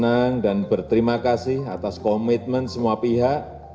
senang dan berterima kasih atas komitmen semua pihak